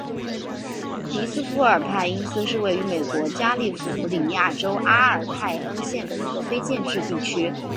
皮斯富尔派因斯是位于美国加利福尼亚州阿尔派恩县的一个非建制地区。